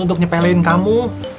untuk nyepelein kamu